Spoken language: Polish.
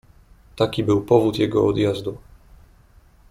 "Taki był powód jego odjazdu“."